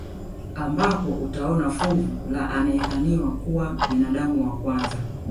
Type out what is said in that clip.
Ambapo utaona fuvu la anayedhaniwa kuwa ni binadamu wa kwanza